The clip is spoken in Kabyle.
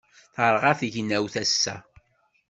Terɣa tegnawt ass-a.